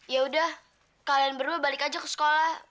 ya udah kalian berdua balik aja ke sekolah